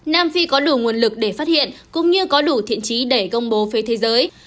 nam phi có đủ nguồn lực để phát hiện cũng như có đủ thiện trí để công bố phía thế giới